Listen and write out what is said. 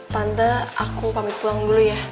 tanda aku pamit pulang dulu ya